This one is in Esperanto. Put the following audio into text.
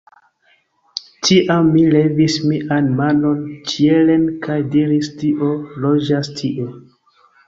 Tiam mi levis mian manon ĉielen, kaj diris, Dio loĝas tie.